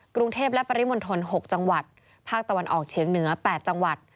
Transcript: กรุงเทพและปริมณฑล๖จังหวัดภาคตะวันออกเฉียงเหนือ๘จังหวัด